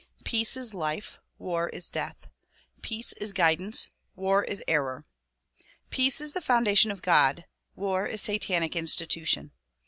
Peace is life; war is death. Peace is guidance; war is error. Peace is the foundation of God; war is satanic institution.